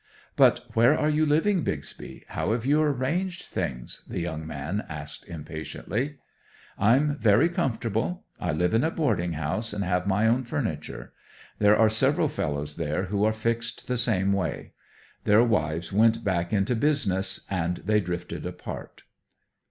"But where are you living, Bixby? How have you arranged things?" the young man asked impatiently. "I'm very comfortable. I live in a boarding house and have my own furniture. There are several fellows there who are fixed the same way. Their wives went back into business, and they drifted apart."